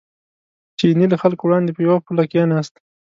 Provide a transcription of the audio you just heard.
چیني له خلکو وړاندې په یوه پوله کېناست.